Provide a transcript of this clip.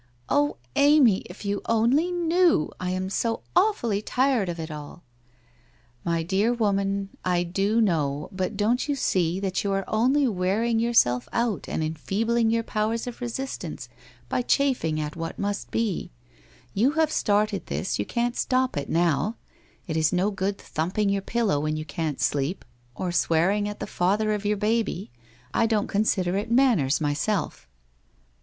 'Oh, Amv, if you only knew! I am so awfully tired of it all! »'' My dear woman, T do know, but don't you sec that you are only wearing yourself out and enfeebling your powers of resistance, by chafing at what must be. You have started this, you can't stop it now. It is no good thumping your pillow when you can't sleep, or swearing 139 140 WHITE ROSE OF WEARY LEAF at the father of your baby. I don't consider it manners, myself !